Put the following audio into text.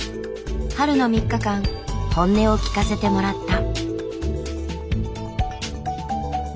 春の３日間本音を聞かせてもらった。